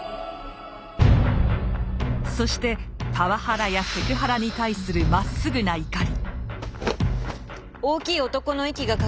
そしてパワハラやセクハラに対するまっすぐな怒り。